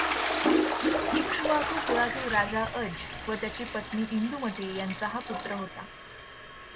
इक्ष्वाकु कुळातील राजा अज व त्याची पत्नी इंदुमती यांचा हा पुत्र होता.